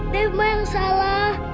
dev mah yang salah